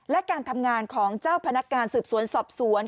และการทำงานของเจ้าพนักการสืบสวนสอบสวน